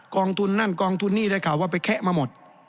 กองทุนนั่นกองทุนนี่ได้ข่าวว่าไปแคะมาหมด